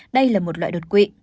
đây là một loại đột quỵ